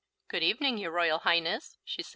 "Good evening, your Royal Highness," she said.